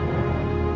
lama banget deh